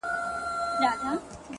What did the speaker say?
مړه راگوري مړه اكثر-